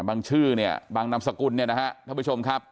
ชื่อเนี่ยบางนามสกุลเนี่ยนะฮะท่านผู้ชมครับ